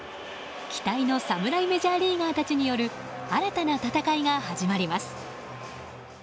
期待の侍メジャーリーガーたちによる新たな戦いが始まります。